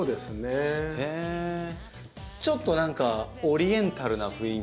ちょっと何かオリエンタルな雰囲気も。